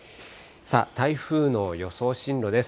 台風の予想進路です。